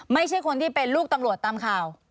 ไม่ใช่คนที่เป็นลูกตำรวจตามข่าว